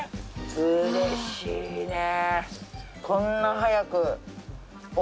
うれしいねぇ。